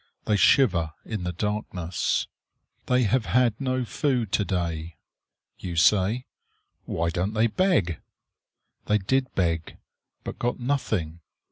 They shiver in the darkness. They have had no food to day. You say: "Why don't they beg?" They did beg, but got nothing.